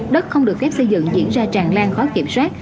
đất không được phép xây dựng diễn ra tràn lan khó kiểm soát